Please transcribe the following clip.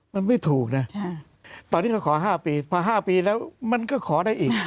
มันไม่ถูกน่ะใช่ตอนนี้เขาขอห้าปีพอห้าปีแล้วมันก็ขอได้อีก